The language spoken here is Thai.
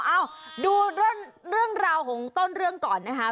เอ้าดูเรื่องราวของต้นเรื่องก่อนนะคะ